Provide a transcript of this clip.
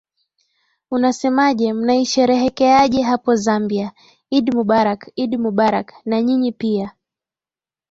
unasemaje mnaisherehekeaje hapo zambia idd mubarak idd mubarak nanyinyi pia